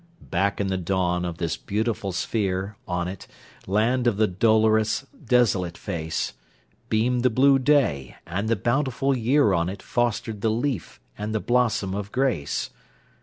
Back in the dawn of this beautiful sphere, on it—Land of the dolorous, desolate face—Beamed the blue day; and the bountiful year on itFostered the leaf and the blossom of grace.